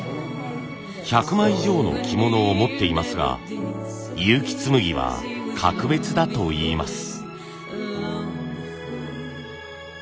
１００枚以上の着物を持っていますが結城紬は格別だといいます。